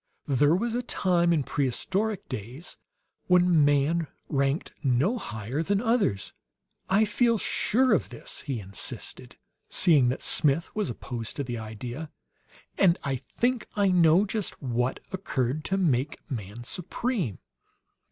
There was a time in prehistoric days when man ranked no higher than others. I feel sure of this," he insisted, seeing that Smith was opposed to the idea; "and I think I know just what occurred to make man supreme."